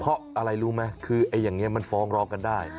เพราะอะไรรู้ไหมคืออย่างนี้มันฟ้องร้องกันได้